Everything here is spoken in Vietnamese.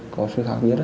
có sự khác biệt đó